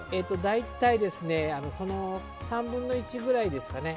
大体、３分の１ぐらいですかね。